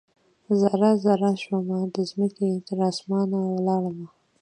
ذره ، ذره شومه د مځکې، تراسمان ولاړمه